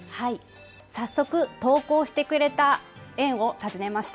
早速、投稿してくれた園を訪ねました。